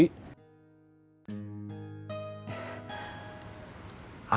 mas sudah seminggu belum disuruh ke pasar